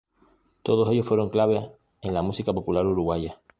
Todos ellos fueron claves en la música popular uruguaya.